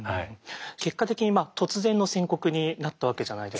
結果的に突然の宣告になったわけじゃないですか。